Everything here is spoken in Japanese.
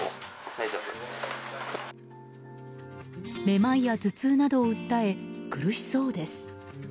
めまいや頭痛などを訴え苦しそうです。